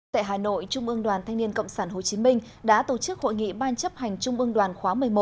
tại hà nội trung ương đoàn thanh niên cộng sản hồ chí minh đã tổ chức hội nghị ban chấp hành trung ương đoàn khóa một mươi một